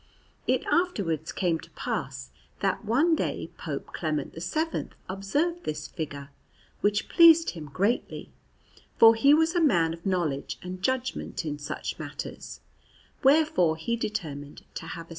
It afterwards came to pass that one day Pope Clement VII observed this figure, which pleased him greatly, for he was a man of knowledge and judgment in such matters; wherefore he determined to have a S.